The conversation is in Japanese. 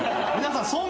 皆さん